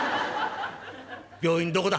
病院どこだ？」。